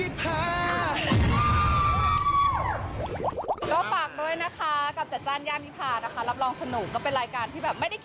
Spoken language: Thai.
บูรรดิจัดจ้านกล้วยชั้นสายจ่านดาบอีก๕